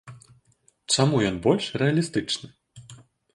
Чаму ён больш рэалістычны?